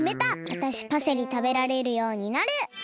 わたしパセリたべられるようになる！